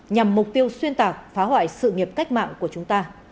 nhằm mục tiêu xuyên tạc phá hoại sự nghiệp cách mạng của chúng ta